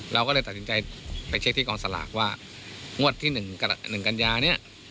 เราก็เลยตัดสินใจไปเช็คที่กองสลากว่างวดที่หนึ่งกระหนึ่งกัญญาเนี้ย